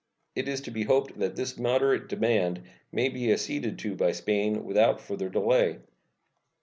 It is to be hoped that this moderate demand may be acceded to by Spain without further delay.